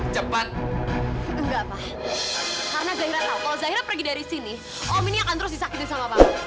karena zaira tahu kalau zaira pergi dari sini om ini akan terus disakiti sama pak